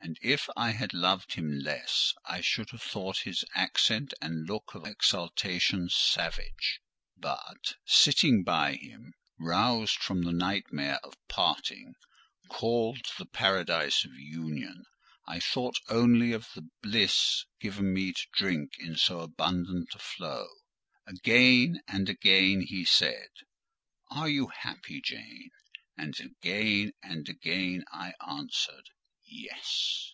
And if I had loved him less I should have thought his accent and look of exultation savage; but, sitting by him, roused from the nightmare of parting—called to the paradise of union—I thought only of the bliss given me to drink in so abundant a flow. Again and again he said, "Are you happy, Jane?" And again and again I answered, "Yes."